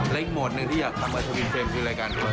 เล่นหมดหนึ่งที่อยากทำกับโชวินเฟรมที่รายการตัวฉัน